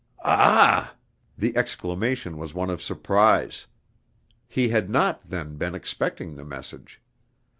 "Ah!" The exclamation was one of surprise. He had not, then, been expecting the message.